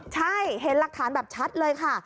ใช่เห็นหลักฐานแบบชัดเลยค่ะ